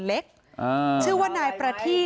พ่ออยู่ข้างหน้าไหน